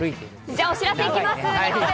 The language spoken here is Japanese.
じゃあ、お知らせ行きます。